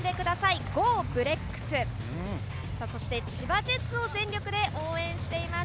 そして、千葉ジェッツを全力で応援しています。